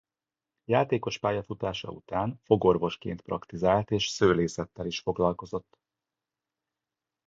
Játékos pályafutása után fogorvosként praktizált és szőlészettel is foglalkozott.